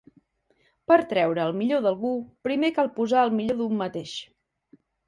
Per treure el millor d'algú primer cal posar el millor d'un mateix.